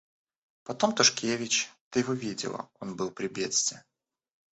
Потом Тушкевич, — ты его видела, он был при Бетси.